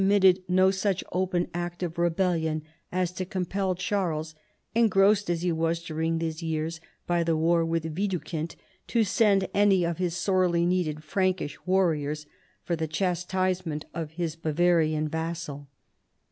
175 mitted no such open act of rebellion as to compel Charles, engrossed as he was during these years by the war with Widukind, to send any of his sorely needed Frankish warriors for the chastisement of his Bava rian vassal.